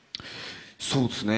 そうですね。